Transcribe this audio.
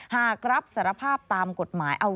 หากรับสารภาพตามกฎหมายเอา